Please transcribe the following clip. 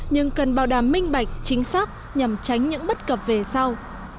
nhưng cần bảo đảm minh bạch chính xác nhằm tránh những bất cập về sau